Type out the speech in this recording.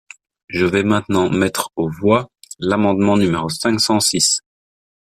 Je vais maintenant mettre aux voix l’amendement numéro cinq cent six.